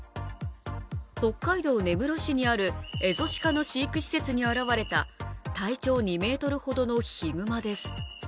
北海道根室市にあるエゾシカの飼育施設に現れた体長２ｍほどのヒグマです。